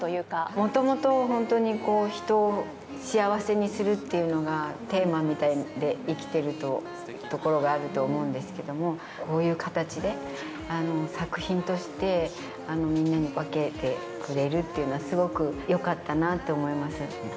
もともと本当に、人を幸せにするっていうのがテーマみたいに生きてるところがあると思うんですけども、こういう形で作品として、みんなに分けてくれるっていうのはすごくよかったなって思います。